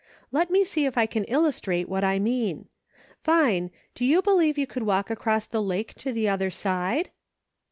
Let me see if I can illustrate what I mean. Vine, do you believe you could walk across the lake to the other side